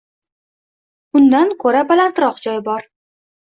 Udan ko’ra balandroq joy bor.